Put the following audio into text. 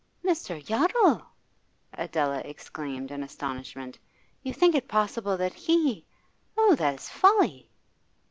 'Mr. Yottle!' Adela exclaimed in astonishment. 'You think it possible that he Oh, that is folly!